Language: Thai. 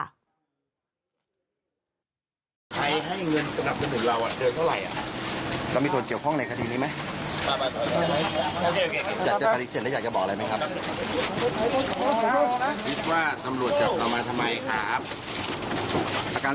อะไรถึงป่วยเขาเครียดหรือไงครับเข้าโรงพยาบาล